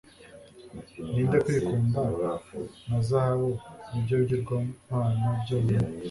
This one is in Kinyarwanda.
ninde kwikunda na zahabu nibyo bigirwamana byonyine